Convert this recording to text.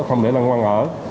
không để năng quăng ở